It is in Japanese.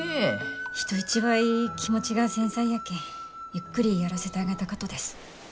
人一倍気持ちが繊細やけんゆっくりやらせてあげたかとです。